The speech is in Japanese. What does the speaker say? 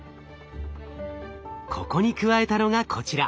ここに加えたのがこちら。